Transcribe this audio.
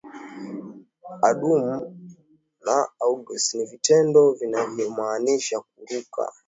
Adumu na aigus ni vitendo vinavyomaanisha kuruka